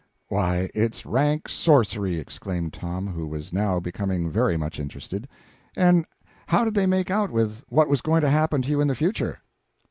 "Why, it's rank sorcery!" exclaimed Tom, who was now becoming very much interested. "And how did they make out with what was going to happen to you in the future?"